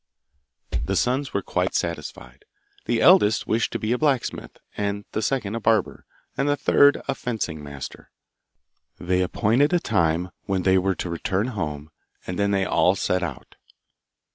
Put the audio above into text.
The sons were quite satisfied. The eldest wished to be a blacksmith, the second a barber, and the third a fencing master. They appointed a time when they were to return home, and then they all set out.